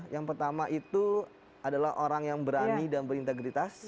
yang pertama itu adalah orang yang berani dan berintegritas